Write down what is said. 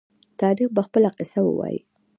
تاریخ به خپله قصه ووايي.